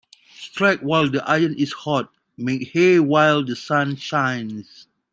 Strike while the iron is hot Make hay while the sun shines.